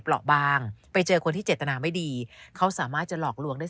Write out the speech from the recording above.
บางไปเจอคนที่เจตนาไม่ดีเขาสามารถจะหลอกลวงได้